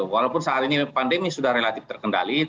walaupun saat ini pandemi sudah relatif terkendali